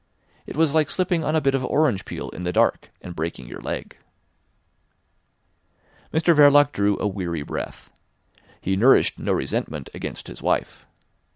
It was like slipping on a bit of orange peel in the dark and breaking your leg. Mr Verloc drew a weary breath. He nourished no resentment against his wife.